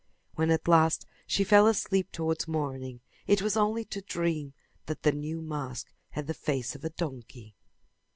When at last she fell asleep towards morning it was only to dream that the new mask had the face of a donkey.